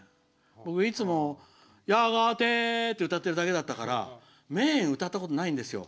いつも、やがてって歌ってるだけだったからメインを歌ったことないんです。